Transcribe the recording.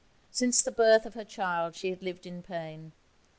Since the birth of her child she had lived in pain.